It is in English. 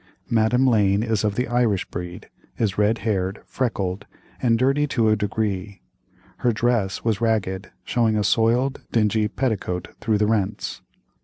Madame Lane is of the Irish breed; is red haired, freckled, and dirty to a degree. Her dress was ragged, showing a soiled, dingy petticoat through the rents.